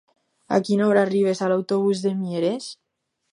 A quina hora arriba l'autobús de Mieres?